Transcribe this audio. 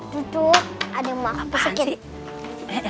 duduk ada yang mau aku bisikin